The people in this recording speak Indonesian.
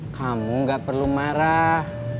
kamu gak perlu marah